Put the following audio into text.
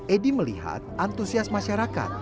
edy melihat antusias masyarakat